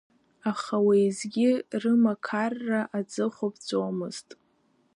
Аха уеизгьы, рымақарра аҵыхәа ԥҵәомызт…